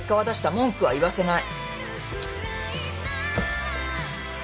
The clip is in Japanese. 文句は言わせない。